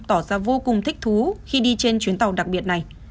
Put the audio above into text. tỏ ra vô cùng thích thú khi đi trên chuyến tàu đặc biệt này